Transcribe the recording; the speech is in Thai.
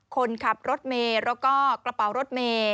คนขับรถเมล์และกระเป๋ารถเมล์